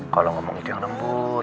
kalau ngomong itu yang lembut